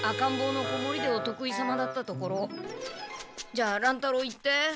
じゃあ乱太郎言って。